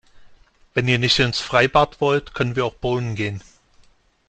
Wenn ihr nicht ins Freibad wollt, können wir auch bowlen gehen.